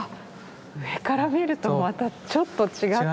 上から見るとまたちょっと違う。